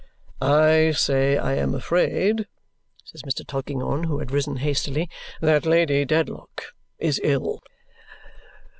"I say I am afraid," says Mr. Tulkinghorn, who had risen hastily, "that Lady Dedlock is ill."